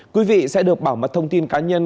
quý vị sẽ được bảo mật thông tin cá nhân